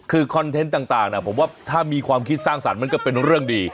คือคอนเทนต์ต่างผมว่าถ้ามีความคิดสร้างสรรค์มันก็เป็นเรื่องดี